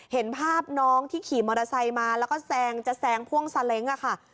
เห็นภาพน้องที่ขี่มอเตอร์ไซค์มาแล้วก็แซงจะแซงพ่วงซาเล้งค่ะ